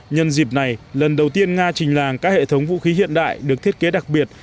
nhân dịp này lần đầu tiên nga trình làng các hệ thống vũ khí hiện đại được thiết kế đặc biệt